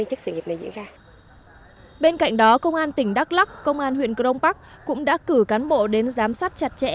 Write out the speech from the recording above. công an huyện huyện cà đông bắc cũng đã cử cán bộ đến giám sát chặt chẽ